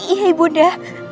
iya ibu nda